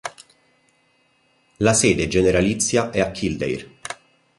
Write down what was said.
La sede generalizia è a Kildare.